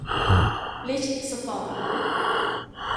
ริช สปอร์ต